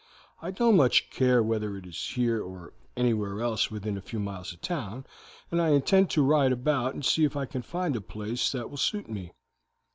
I don't much care whether it is here or anywhere else within a few miles of town, and I intend to ride about and see if I can find a place that will suit me.